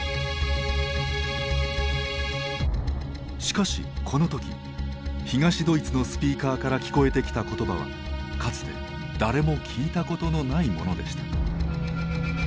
しかしこの時東ドイツのスピーカーから聞こえてきた言葉はかつて誰も聞いたことのないものでした。